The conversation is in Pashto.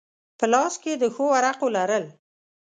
په لاس کې د ښو ورقو لرل.